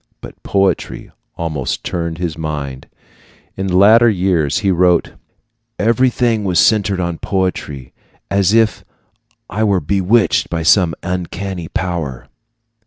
But poetry almost turned his mind. In later years he wrote: Everything was centered on poetry, as if I were bewitched by some uncanny power.